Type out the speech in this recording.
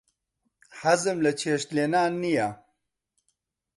حەزم لە چێشت لێنان نییە.